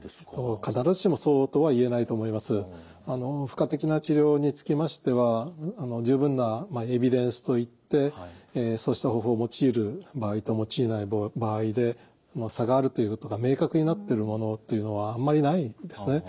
付加的な治療につきましては十分なエビデンスといってそうした方法を用いる場合と用いない場合で差があるということが明確になってるものというのはあんまりないんですね。